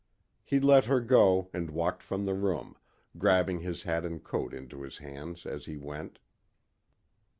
He let her go and walked from the room, grabbing his hat and coat into his hands as he went.